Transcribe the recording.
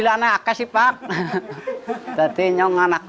rp tujuh ratus pak